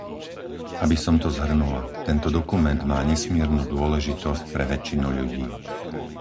Aby som to zhrnula, tento dokument má nesmiernu dôležitosť pre väčšinu ľudí.